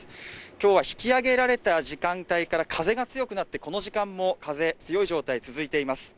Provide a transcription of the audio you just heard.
今日は引き揚げられた時間帯から風が強くなってこの時間も風強い状態続いています